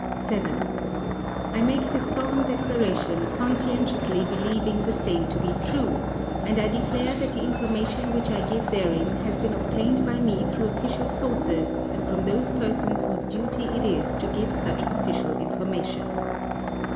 7. I make this solemn declaration conscientiously believing the same to be true, and I declare that the information which I give therein has been obtained by me through official sources and from those persons whose duty it is to give such official information.